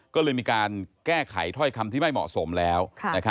ก็เลยมีการแก้ไขถ้อยคำที่ไม่เหมาะสมแล้ว